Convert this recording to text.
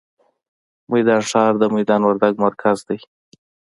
میدان ښار، د میدان وردګ مرکز دی.